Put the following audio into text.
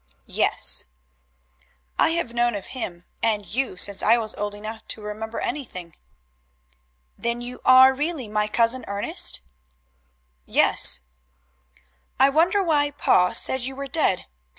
"Yes." "I have known of him and you since I was old enough to remember anything." "Then you are really my Cousin Ernest?" "Yes." "I wonder why pa said you were dead.